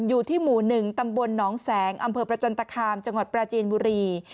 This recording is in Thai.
อยู่ที่หมู่๑ตำบลหนองแสงอำเภอประจันตคามจังหวัดปราจีนบุรี